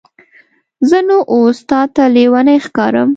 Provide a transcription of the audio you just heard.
زه نو اوس تاته لیونی ښکارم؟